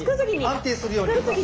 安定するようにとか。